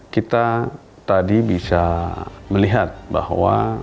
kita tadi bisa melihat bahwa